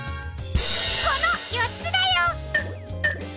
このよっつだよ！